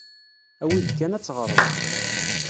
Awi-d kan ad teɣreḍ.